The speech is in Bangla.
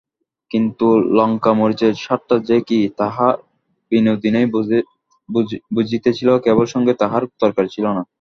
কিন্তু লঙ্কামরিচের স্বাদটা যে কী, তাহা বিনোদিনীই বুঝিতেছিল–কেবল সঙ্গে তাহার তরকারি ছিল না।